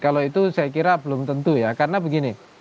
kalau itu saya kira belum tentu ya karena begini